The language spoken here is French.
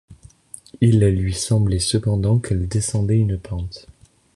Il lui semblait cependant qu’elle descendait une pente.